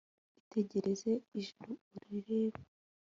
itegereze ijuru, urirebe